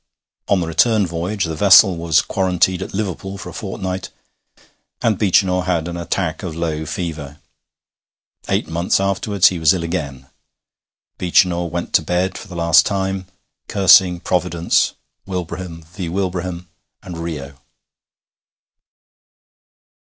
On the return voyage the vessel was quarantined at Liverpool for a fortnight, and Beechinor had an attack of low fever. Eight months afterwards he was ill again. Beechinor went to bed for the last time, cursing Providence, Wilbraham v. Wilbraham, and Rio.